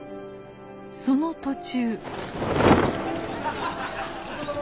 その途中。